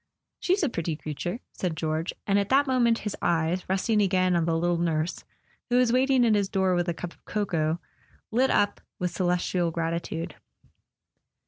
"She's a pretty creature," said George; and at that moment his eyes, resting again on the little nurse, who was waiting at his door with a cup of cocoa, lit up with celestial gratitude.